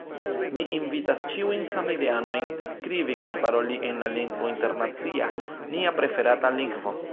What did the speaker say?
Mi invitas ĉiujn samideanojn skribi kaj paroli en la lingvo internacia, nia preferata lingvo.